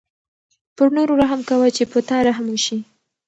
پر نورو رحم کوه چې په تا رحم وشي.